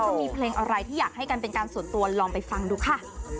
จะมีเพลงอะไรที่อยากให้กันเป็นการส่วนตัวลองไปฟังดูค่ะ